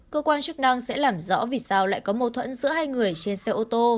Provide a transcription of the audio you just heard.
cơ quan chức năng sẽ làm rõ vì sao lại có mâu thuẫn giữa hai người trên xe ô tô